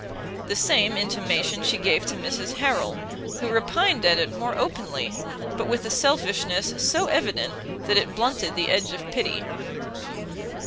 The same intimation she gave to Mrs Harrel, who repined at it more openly, but with a selfishness so evident that it blunted the edge of pity.